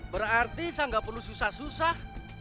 berarti saya nggak perlu susah susah